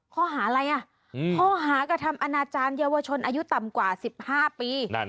ข้อหาอะไรอ่ะข้อหากระทำอนาจารย์เยาวชนอายุต่ำกว่า๑๕ปี